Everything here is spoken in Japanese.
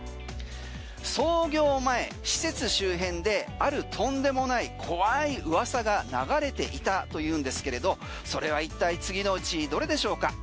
創業前施設周辺であるとんでもない怖いうわさが流れていたというんですがそれは一体次のうちどれでしょうか？